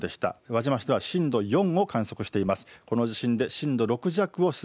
輪島市は震度４を観測しています。